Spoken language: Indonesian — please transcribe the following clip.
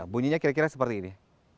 bunyinya kira kira seperti ini